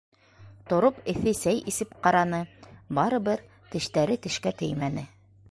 Тороп эҫе сәй эсеп ҡараны - барыбер тештәре тешкә теймәне.